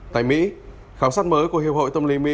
tại mỹ khám sát mới của hiệp hội tâm lý mỹ